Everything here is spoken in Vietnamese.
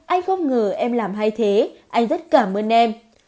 anh không ngờ em làm hay thế anh rất cảm ơn em